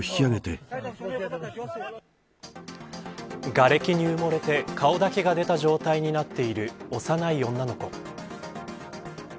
がれきに埋もれて顔だけが出た状態になっている幼い女の子。